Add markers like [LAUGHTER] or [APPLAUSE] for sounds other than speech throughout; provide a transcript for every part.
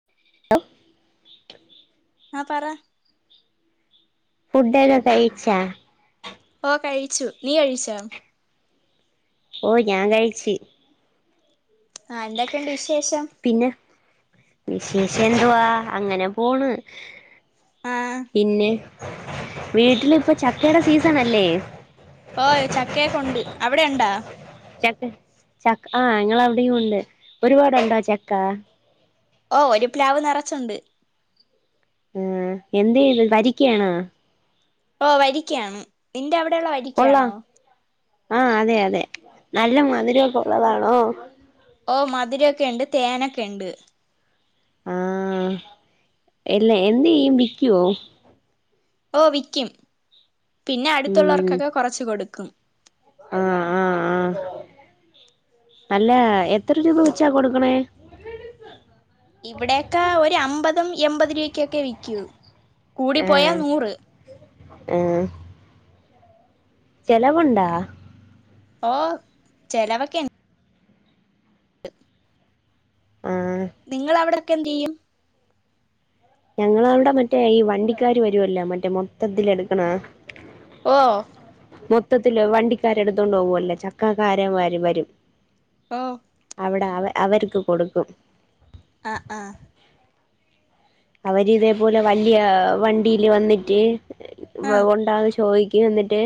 [UNINTELLIGIBLE] ആഹ് പറ ഫുഡ് എല്ലാം കയിച്ചാ ഓഹ് കഴിച്ചു. നീ കഴിച്ചാ ഓഹ് ഞാൻ കഴിച്ചു ആഹ് എന്തൊക്കെയുണ്ട് വിശേഷം പിന്നെ.. വിശേഷം എന്തുവാ അങ്ങനെ പോണ് ആ പിന്നെ വീട്ടിലിപ്പൊ ചക്കയുടെ സീസൺ അല്ലേ ഓഹ് ചക്കയൊക്ക ഉണ്ട്. അവിടെ ഉണ്ടാ ചക്ക. ആഹ് ഞങ്ങളവിടെയും ഉണ്ട്. ഒരുപാട് ഉണ്ടോ ചക്ക ഓഹ് ഒരു പ്ലാവ് നിറച്ചുണ്ട് ഉം എന്ത് [UNINTELLIGIBLE] വരിക്കയാണോ ഓഹ് വരിക്കയാണ്. നിന്റെ അവിടെയുള്ളത് വരി കൊള്ളാം ആഹ് അതെ അതെ നല്ല മധുരം ഒക്കെയുള്ളതാണോ. ഓഹ് മധുരൊക്കെ ഉണ്ട്. തേനൊക്കെ ഉണ്ട് ആഹ് എല്ലാം എന്ത് ചെയ്യും. വിൽക്കുവോ ഓഹ് വിക്കും. പിന്നെ അടുത്തുള്ളവർക്കൊക്കെ കുറച്ച് കൊടുക്കും. ആഹ് ആഹ് ആഹ്. അല്ല എത്ര രൂപ വെച്ചാ കൊടുക്കണേ ഇവിടെയൊക്കെ ഒരു അമ്പതും എൺപത് രൂപക്കൊക്കെ വിക്കും കൂടി പോയാ നൂറ് ആഹ്‌ ചെലവുണ്ടോ ഓഹ് ചെലവൊക്കെണ്ട് ണ്ട് ആഹ് നിങ്ങളവിടൊക്കെ എന്തുചെയ്യും ഞങ്ങളവിടെ മറ്റേ ഈ വണ്ടിക്കാരു വരുവല്ലോ മറ്റേ മൊത്തത്തിലെടുക്കണേ ഓഹ് മൊത്തത്തിലോ വണ്ടികരെടുത്തോണ്ടുപോവല്ലേ ചക്കക്കാരന്മാര് വരും. ഓഹ് അവിടെ അവ അവര് ക്ക് ക്കൊടുക്കും. ആഹ് ആഹ്‌ അവരിതേപോലെ വലിയ വണ്ടിയില് വന്നിട്ട് ഉണ്ടോ ചോയ്ക്ക് എന്നിട്ട്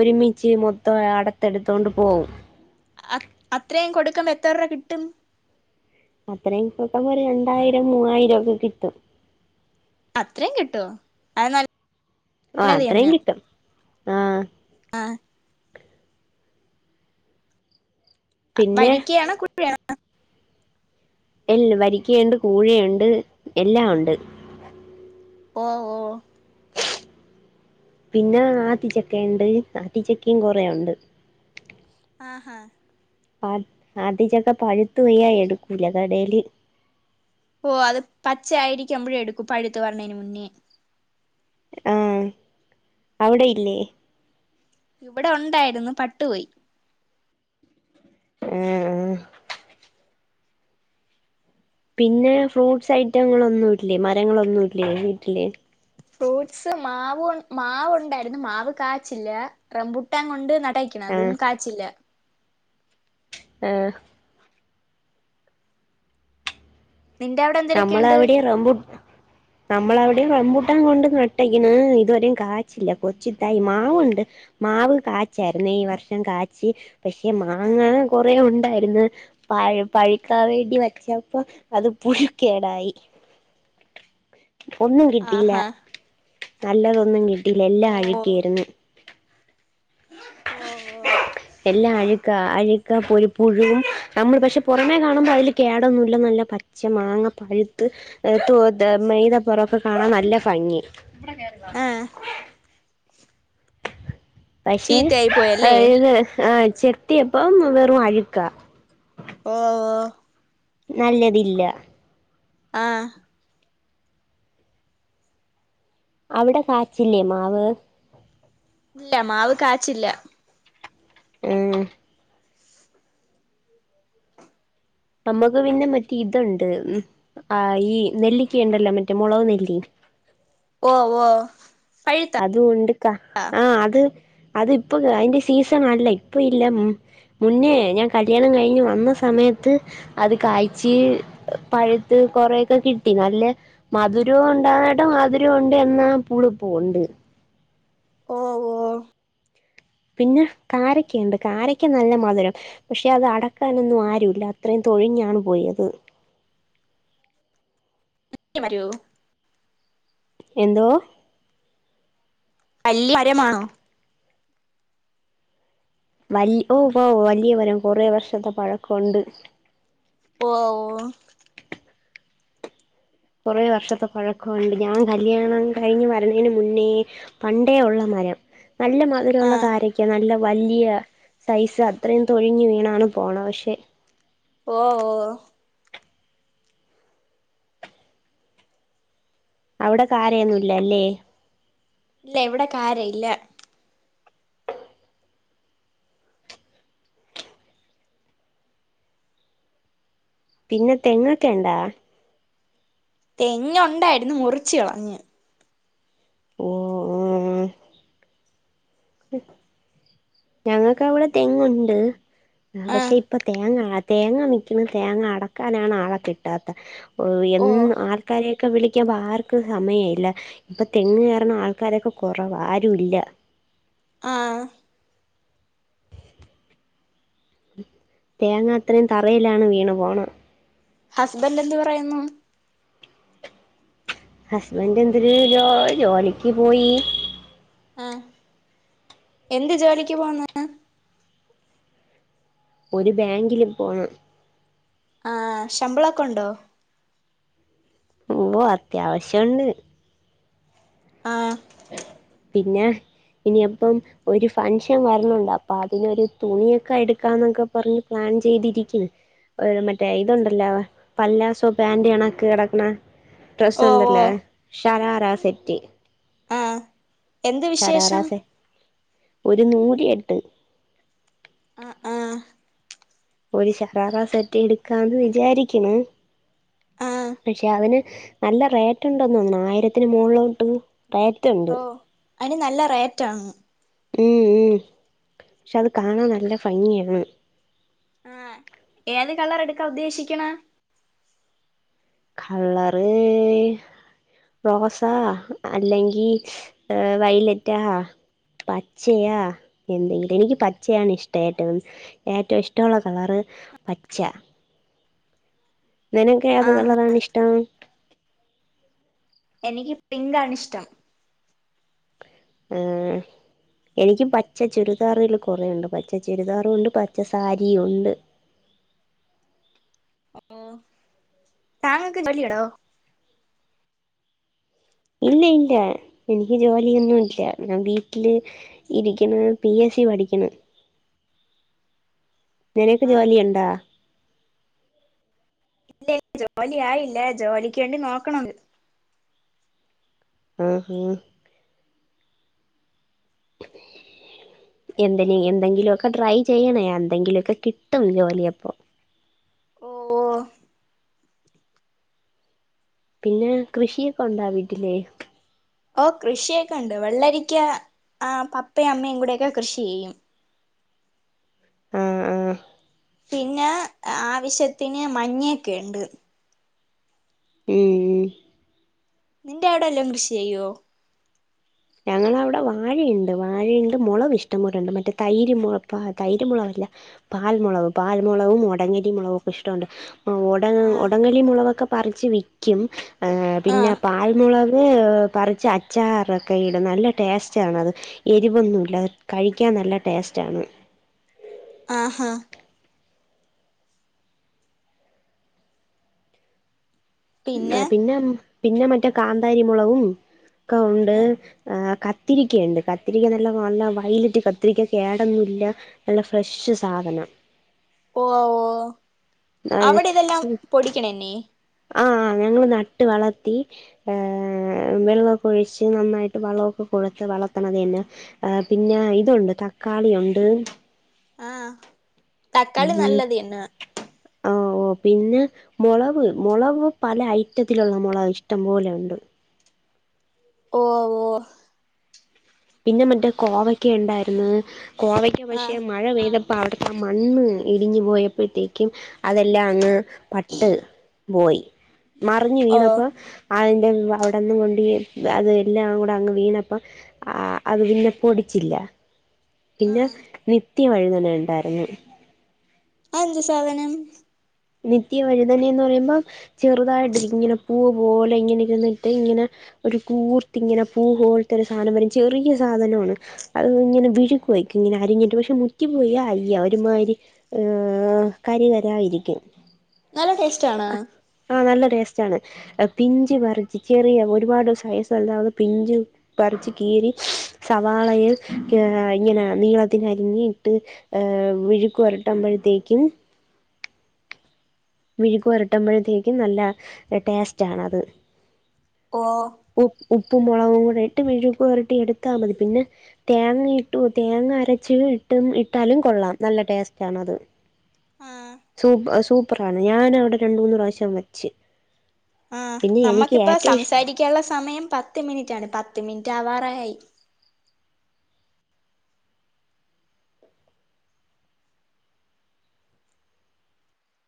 ഒരുമിച്ച് മൊത്തം അടത്തെടുത്തോണ്ട് പോവും. അ അത്രയും കൊടുക്കുമ്പോ എത്ര രൂപ കിട്ടും. അത്രയും പോക്കുമ്പോ [UNINTELLIGIBLE] ഒരു രണ്ടായിരം മൂവായിരമൊ ക്കെ കിട്ടും. അത്രേം കിട്ടോ അത് നല്ല ആഹ് അത്രേം കിട്ടും ആഹ്. ആഹ് പിന്നെ വരിക്കയാണോ [UNINTELLIGIBLE] വരിക്കണ്ട് കൂഴയുണ്ട് എല്ലാം ഉണ്ട്. ഓ, ഓ. [UNINTELLIGIBLE] പിന്ന ആത്തിച്ചകേണ്ട് ആത്തിച്ചക്കേം കൊറേ ഒണ്ട്. ആഹ. ആ ആതിച്ചക്ക പഴുത്തു പോയ എടുക്കൂല കടെല്. ഓ അത് പച്ചയായിരിക്കുമ്പോഴെടുക്കു പഴുത്തു വരണെന് മുന്നേ. ആഅവിടെയില്ലേ? ഇവിടെ ഒ ണ്ടാരുന്നു പട്ടുപോയി. ആഹ്, ആഹ് പിന്നെ ഫ്രൂട്ട്സൈറ്റങ്ങളൊന്നുല്ലേ മരങ്ങളൊന്നുല്ലേ വീട്ടില്. ഫ്രൂട്ട്സ് മാവ് മാവുണ്ടായിരുന്നു മാവ് കാച്ചില്ല റംബുട്ടാൻ കൊണ്ട് ന ട്ടേക്കണ് അതും ആഹ് കാച്ചില്ല. ഏ നിന്റെ അവിട നമ്മളവിടേം റംബ് നമ്മളവിടേം റം മ്പൂട്ടാൻ കൊണ്ട് നട്ടേക്കാന് ഇതുവരേം കാച്ചില്ല കൊച്ചുതൈമാവുണ്ട്. മാവ് കാച്ചാര്ന്നെ ഈ വർഷം കാച്ച് പക്ഷെ മാങ്ങ കൊറേ ഒണ്ടാര്ന്ന്. പഴ പഴിക്കാൻ വേണ്ടി വെച്ചപ്പോ അത് പുഴ് കേടായി ഒന്നും കിട്ടീല്ല. ആഹാ നല്ലതൊന്നും കിട്ടീല്ല ഓ എല്ലാം അഴ്ക്കെര്ന്ന്. ഓ, ഓ എല്ലാ അഴുക്ക അഴുക്കാപ്പോ രു പുഴുവും നമ്മൾ പക്ഷെ പൊറമേ കാണുമ്പോ അതില് കേടൊന്നുല്ല നല്ല പ ച്ച മാങ്ങ പഴുത്ത് ഏ തു മീതപ്പറൊക്കെ കാണാൻ നല്ല ഭംഗി. ആ പക്ഷെ ചീത്തയായി പോയല്ലേ ഇത് ആ ചെത്തിയപ്പം വെറും അഴുക്ക. ഓ, ഓ നല്ലതില്ല. ആഹ്. അവിട കാച്ചില്ലേ മാവ്? ഇല്ല മാവ് കാച്ചില്ല. ഉം. നമ്മക്ക് പിന്നെ മറ്റേ ഇതോണ്ട് ആ ഈ നെല്ലിക്ക യുണ്ടല്ലോ മറ്റേ മുളക് നെല്ലി. ഓ, ഓ പഴുത്ത അതൊണ്ട് ക്കാ ആഹ് അത് അത്പ്പൊ അതിന്റെ സീസൺ അല്ല ഇപ്പൊ ഇല്ല ഇമ്. മുന്നേ ഞാൻ കല്യാണം കഴിഞ്ഞ് വന്ന സമയത്ത്. അത് കായ്ച്ച് പഴുത്ത് കൊറെക്ക കിട്ടി നല്ല. മധുരോം ഒണ്ടാന്നെട്ട മധുരോം ഒണ്ട് എന്ന പുളിപ്പും ഒണ്ട്. ഓ, ഓ പിന്ന കാരക്കയുണ്ട് കാരക്ക നല്ല മധുരം. പക്ഷെ അത് അടക്കാനൊന്നും ആരുല്ല അത്രയും തൊഴിഞ്ഞാണ് പോയത്. ല്ല്യമരോ. എന്തോ? വല്ല്യ മരമാണോ? വല്യ ഓ വോ വല്യ മരം കൊറേ വർഷത്തെ പഴക്കൊണ്ട്. ഓ, ഓ കൊറെ വർഷത്തെ പഴക്കൊണ്ട്. ഞാൻ കല്യാണം കഴിഞ്ഞ് വരണെന് മുന്നേ. പണ്ടേ ഒള്ള മരം. നല്ല മധുരോള്ള ആഹ് കാരക്ക നല്ല. വല്യ സൈസ് അത്രേം തൊഴിഞ്ഞ് വീണാണ് പോണ പക്ഷെ. ഓ, ഓ അവിടെ കാര്യായൊന്നുംല്ലല്ലേ ഇല്ല ഇവിടെ കാരയില്ല പിന്നെ തെങൊക്കെ യിണ്ടാ തെങ്ങുണ്ടായിരുന്നു മുറിച് കളഞ്ഞ് ഓ ഉം ഞങ്ങൾക്ക് അവിടെ തെങ്ങുണ്ട് ആഹ് പക്ഷെ ഇപ്പൊ തേങ്ങ തേങ്ങ വിക്കുന്ന തേങ്ങ അടക്കാനാണ് ആളെ കിട്ടാത്ത ഓ എന്നും ആൾക്കാരെയൊക്കെ വിളിക്കുമ്പോ ആർക്കും സമയയില്ല ഇപ്പൊ തെങ്ങ് കേറുന്ന ആൾക്കാരൊക്കെ കൊറവ ആരുല്ല ആഹ് തേങ്ങ അത്രയും തറയിലാണ് വീണ് പോണ് ഹസ്ബൻഡ് എന്ത്‌ പറയുന്നു ഹസ്ബൻറ് എന്തിര് ജോ ജോലിക്ക് പോയി ആഹ് എന്ത് ജോലിക്ക് പോവുന്ന് ഒരു ബാങ്കില് പോണ് ആഹ് ശമ്പളൊക്കെ ണ്ടോ ഓ അത്യാവശ്യുണ്ട് ആഹ് പിന്നെ ഇനിയെപ്പം ഒരു ഫങ്ക്ഷൻ വരുന്നുണ്ട് അപ്പൊ അതിനൊരു തുണിയൊക്കെ എടുക്കാന്നൊക്കെ പറഞ്ഞ് പ്ലാൻ ചെയ്തിരിക്കുന്നു രു മറ്റേ ഇതുണ്ടല്ലോ പല്ലാസോ പാന്റ് ണക്കെ കിടക്കണ ഓ ഓ ഡ്രസ്സുണ്ടല്ലോ ഷരാറ സെറ്റ് ആഹ് എന്ത് വിശേഷം ഷറാറാസെ ഒരു നൂലി എട്ട് ആഹ് ആഹ് ഒരു ശഹാറ സെറ്റ് എടുക്കാന്ന് വിചാരിക്ക്ണ് ആഹ് പക്ഷെ അവന് നല്ല റേറ്റ് ഉണ്ടന്നോന്ന്ണ് ആയിരത്തിന് മോളിലോട്ട് റേറ്റ് ഉണ്ട് ഓ അയിന് നല്ല റേറ്റാണ് ഉം ഉം ക്ഷെ അത് കാണാൻ നല്ല ഫംഗിയാണ് ആഹ് ഏത് കളർ ഇട്ക്കാ ഉദ്ദേശിക്ക്ണെ കളറ് റോസ അല്ലെങ്കിൽ വൈലറ്റാ പച്ചയാ എന്തെങ്കിലും എനിക്ക് പച്ചയാണ് ഇഷ്ടം ഏറ്റവും ഏറ്റവും ഇഷ്ടള്ള കളർ പച്ചയ നിനക്ക് ഏത് ആഹ് കളറാണ് ഇഷ്ടം എനിക്ക് പിങ്കാണ് ഇഷ്ടം. ആഹ് എനിക്ക് പച്ച ചുരിദാറ്കൾ കൊറേണ്ട് പച്ച ചുരിദാറും ഉണ്ട് പച്ച സാരിയും ഉണ്ട് ഓ താങ്കക്ക് ജോലി ഉണ്ടോ ഇല്ല ഇല്ല എനിക്ക് ജോലിയൊന്നുല്ല ഞാൻ വീട്ടില് ഇരിക്ക്ണ് പി എ സി പഠിക്ക്ണ് നിനക്ക് ആഹ് ജോലി ഇണ്ടോ ഇല്ല ജോലി ആയില്ല ജോലിക്ക് വേണ്ടി നോക്കുണ് ണ്ട് ആഹാ [UNINTELLIGIBLE] എന്തിന് എന്തെങ്കിലൊക്കെ ട്രൈ ചെയ്യണേ എന്തെങ്കിലൊക്കെ കിട്ടും ജോലി അപ്പോ ഓ ഓ പിന്നെ കൃഷിയൊക്കെ ഉണ്ടോ വീട്ടില് ഓ കൃഷിയൊക്കെ ഇണ്ട് വെള്ളരിക്ക പപ്പയും അമ്മയും കുടെഒക്കെ കൃഷി ചെയ്യും. ആഹ് ആഹ് പിന്നെ ആവശ്യത്തിന് മഞ്ഞൊക്കെ ഇണ്ട് ഉം നിന്റെ അവിടെ എല്ലം കൃഷി ചെയ്യോ ഞങ്ങടെ അവിടെ വാഴയുണ്ട് വാഴയുണ്ട് മുളക് ഇഷ്ടം പോലെ ഉണ്ട് മറ്റേ തൈര് മു ള പാ തൈര് മുളകല്ല പാൽമുളക് പാൽമുളകും ഒടങ്ങടി മുളകൊക്കെ ഇഷ്ടമുണ്ട് ഒടങ്ങ് ആഹ് ഒടങ്ങല്ലി മുളകൊക്കെ പറിച്ച് വിക്കും പിന്നെ ആഹ് പാൽമുളക് പറിച്ച് അച്ചാറ് ഒക്കെയിടും നല്ല ടേസ്റ്റാണ് അത് എരിവൊന്നുവില്ല കഴിക്കാൻ നല്ല ടേസ്റ്റാണ്. ആഹ് ഹാ പിന്നെ പിന്നെ മറ്റേ കാന്താരിമുളകും ഒക്കെ ഉണ്ട് ക ത്തിരിക്കയുണ്ട് കത്തിരിക്ക നല്ല നല്ല വയ്ലറ്റ് കത്തിരിക്ക കേടൊന്നുല്ല നല്ല ഫ്രഷ് സാധനം. ഓ വോ അവിടെ ഇതെല്ലാം പൊടിക്ക്ണന്നെ ആഹ് ഞങ്ങള് നട്ട് വളർത്തി ഏഹ് വെള്ളൊക്കെ ഒഴിച്ച് നന്നായിട്ട് വളവൊക്കെകൊടുത്തു വളർത്ത്ണത്യെന്നെ അഹ് പിന്നെ ഇതുണ്ട് തക്കാളി ഉണ്ട്. ആഹ് തക്കാളി നല്ലത് തന്നെ [UNINTELLIGIBLE] ഓ ഓ പിന്നെ മൊളവ് മുളവ് പല ഐറ്റത്തിലുള്ള മുളക് ഇഷ്ടം പോലെ ഉണ്ട്. ഓ ഓ പിന്നെ മറ്റേ കോവയ്ക്കയിണ്ടായിര്ന്ന് കോവയ്ക്ക പക്ഷെ ആഹ് മഴ പെയ്തപ്പ പ്പ അവിടത്തെആ മണ്ണ് ഇടിഞ്ഞു പോയപ്പോഴത്തേക്കും അതെല്ലാം അങ്ങ് പട്ട് ബോയി മറിഞ്ഞ് ഓ വീണപ്പൊ അതിന്റെ അവിടെന്ന് കൊണ്ട് അത് എല്ലാം കൂടെ അങ്ങ് വീണപ്പം അ ആ അത് പിന്നെ പൊടിച്ചില്ല പിന്നെ ആഹ് നിത്യ വഴുതന ഉണ്ടായിരുന്നു അഹ് എന്ത് സധനം നിത്യവഴുതനെ എന്ന് പറയുമ്പം ചെറുതായിട്ടിരിക്കും ഇങ്ങനെ പൂവ് പോലെ ഇങ്ങനെ ഇര്ന്നിട്ട് ഇങ്ങനെ. ഒരു കൂർത്തിങ്ങനെ പൂ പോലത്തെ ഒരു സാധനം വരും ചെറിയ സാധനവാണ് അത് ഇങ്ങനെ വിഴ്‌ക്ക് വെക്കും ഇങ്ങനെ അരിഞ്ഞിട്ട് പക്ഷെ മുറ്റി പോയാൽ അലിയാ ഒരുമാരി. ഏഹ് കര്കരായിരിക്കും നല്ല ടേസ്റ്റ് ആണാ ആഹ് നല്ല ടേസ്റ്റാണ് പിഞ്ച് പറിച്ച് ചെറിയ ഒരുപാട് സൈസല്ലാതെ പിഞ്ചു പറിച്ച് കീറി സവാളയിൽ ഇങ്ങനെ നീളത്തിന് അരിഞ് ഇട്ട് ഏഹ് വിഴുക്ക് വൊരട്ടുമ്പോഴത്തേക്കും വിഴുക്കുവരട്ടുമ്പോഴത്തേക്കും നല്ല ആ ടേസ്റ്റ് ആണത് ഓഹ് ഉ ഉപ്പും മൊളകും കൂടെ ഇട്ട് വിഴപ്പു വരട്ടി എടുത്താ മതി പിന്നെ തേങ്ങ ഇട്ടും തേങ്ങ അരച്ച് ഇട്ടും ഇട്ടാലും കൊള്ളാം നല്ല ടേസ്റ്റ് ആണത് ആഹ് സൂപ്പ സൂപ്പറാണ് ഞൻ അവിടെ രണ്ട് മൂന്ന് പ്രാവശ്യം വെച്ച് ആഹ് പിന്നെ എനിക്ക് നമ്മക്കിപ്പ ഏറ്റവും ഇഷ് സംസാരിക്കാനുള്ള സമയം പത്ത് മിനിറ്റാണ് പത്ത് മിനിറ്റ് ആവാറായി